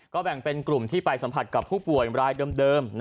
ก็แบ่งเป็นกลุ่มที่ไปสัมผัสกับผู้ป่วยรายเดิม